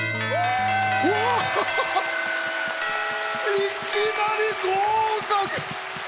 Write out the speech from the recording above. いきなり合格！